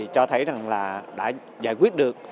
cho thấy là đã giải quyết được